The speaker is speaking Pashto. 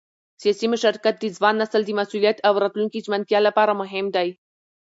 سیاسي مشارکت د ځوان نسل د مسؤلیت او راتلونکي ژمنتیا لپاره مهم دی